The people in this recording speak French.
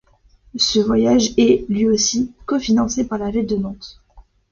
Ce voyage est, lui aussi, cofinancé par la ville de Nantes.